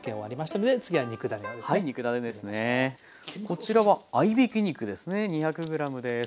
こちらは合いびき肉ですね２００ｇです。